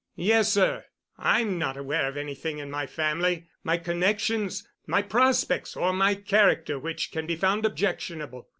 "Yes, sir; I'm not aware of anything in my family, my connections, my prospects, or my character which can be found objectionable.